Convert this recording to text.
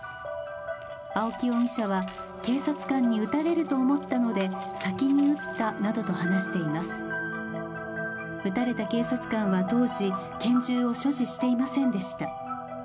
青木容疑者は警察官に撃たれると思ったので撃たれた警察官は当時、拳銃を所持していませんでした。